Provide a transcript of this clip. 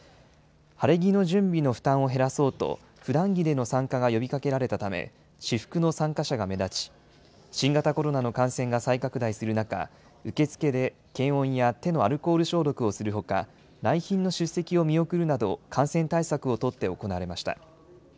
晴れ着の準備の負担を減らそうと、ふだん着での参加が呼びかけられたため、私服の参加者が目立ち、新型コロナの感染が再拡大する中、受付で検温や手のアルコール消毒をするほか、来賓の出席を見送るなど、感染対策を取って行われました。